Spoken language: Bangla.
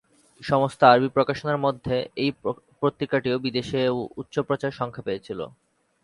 সমস্ত আরবি প্রকাশনার মধ্যে এই পত্রিকাটি বিদেশেও উচ্চ প্রচার সংখ্যা পেয়েছিল।